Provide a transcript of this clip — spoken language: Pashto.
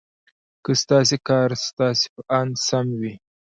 که ستاسې کار ستاسې په اند سم وي.